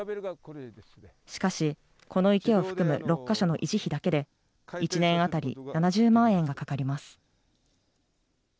しかし、この池を含む６か所の維持費だけで、１年当たり７０万円がかかります。